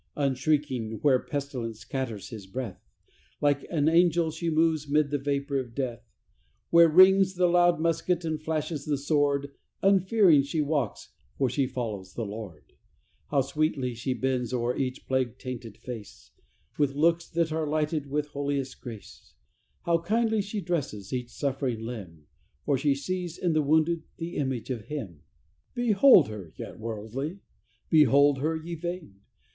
Unshrinking where pestilence scatters his breath, Like an angel she moves mid the vapor of death, Where rings the loud musket and flashes the sword Unfearing she walks, for she follows the Lord. How sweetly she bends o'er each plague tainted face With looks that are lighted with holiest grace; How kindly she dresses each suffering limb, For she sees in the wounded the image of Him. Behold her, ye worldly! Behold her, ye vain!